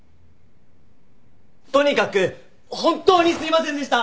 とにかく本当にすいませんでした！